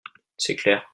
C’est clair